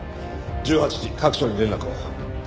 １８時各所に連絡を。